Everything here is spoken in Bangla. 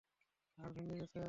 হাড় ভেঙে গেছে!